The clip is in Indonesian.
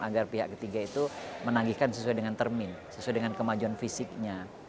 agar pihak ketiga itu menagihkan sesuai dengan termin sesuai dengan kemajuan fisiknya